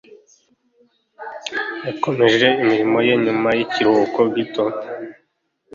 Yakomeje imirimo ye nyuma yikiruhuko gito.